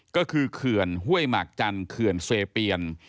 ก็คือเขื่อนห้วยหมากจันทร์เขื่อนเซเปียน